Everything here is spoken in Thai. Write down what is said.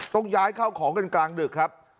ต้องย้ายเข้าของกันกลางดึกครับ